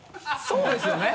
そうですよね。